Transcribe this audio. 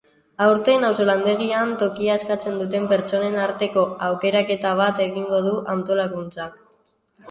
Aurten auzolandegian tokia eskatzen duten pertsonen arteko aukeraketa bat egingo du antolakuntzak.